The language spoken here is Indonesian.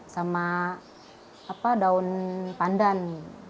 sama daun pandan